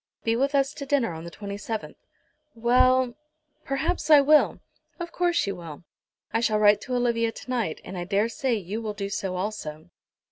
Be with us to dinner on the 27th." "Well, perhaps I will." "Of course you will. I shall write to Olivia to night, and I daresay you will do so also."